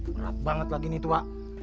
berat banget lagi nih tua